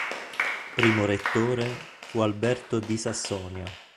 Primo rettore fu Alberto di Sassonia.